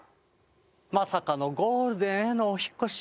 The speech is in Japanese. まさかのゴールデンへのお引っ越し。